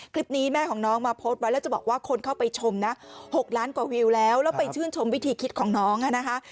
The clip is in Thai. คลิปนี้แม่ของน้องมาโพสต์ไว้แล้วจะบอกว่าคนเข้าไปชมนะ๖ล้านกว่าวิวแล้วแล้วไปชื่นชมวิธีคิดของน้องอ่ะนะคะ